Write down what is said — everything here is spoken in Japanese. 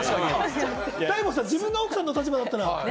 大門さん、自分の奥さんの立場だったら。